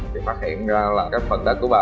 thì phát hiện ra là cái phần đất của bà